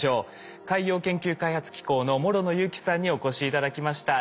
海洋研究開発機構の諸野祐樹さんにお越し頂きました。